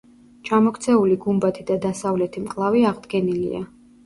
ჩამოქცეული გუმბათი და დასავლეთი მკლავი აღდგენილია.